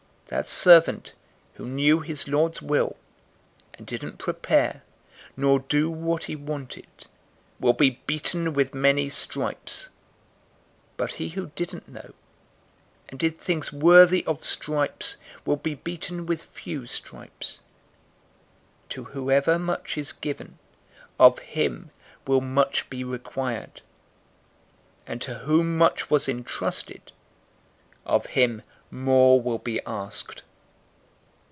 012:047 That servant, who knew his lord's will, and didn't prepare, nor do what he wanted, will be beaten with many stripes, 012:048 but he who didn't know, and did things worthy of stripes, will be beaten with few stripes. To whoever much is given, of him will much be required; and to whom much was entrusted, of him more will be asked.